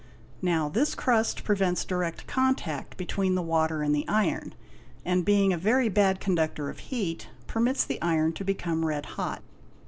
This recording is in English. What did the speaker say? Now this crust prevents direct contact between the water and the iron, and, being a very bad conductor of heat, :permits the iron to become red hot.